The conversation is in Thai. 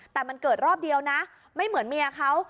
แต่มันเกิดรอบเดียวนะไม่เหมือนเมียเขา